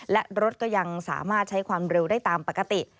และรถก็ยังสามารถใช้ความเร็วได้ตามปกติ